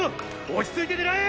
落ち着いて狙え！